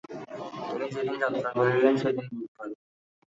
তিনি যেদিন যাত্রা করিলেন, সেদিন বুধবার।